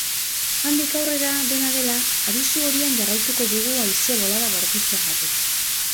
Handik aurrera, dena dela, abisu horian jarraituko dugu haize bolada bortitzengatik.